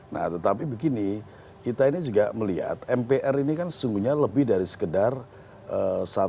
nah tetapi begini kita ini juga melihat mpr ini kan sesungguhnya lebih dari sekedar satu